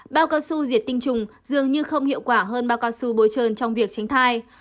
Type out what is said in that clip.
bao cao su diệt tinh trùng dường như không hiệu quả hơn bao cao su bối trơn trong việc tránh thai